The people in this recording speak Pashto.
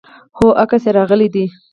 هو، عکس راغلی دی